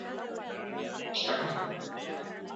Hiru lurralde historikoetan egin du gora langabeziak.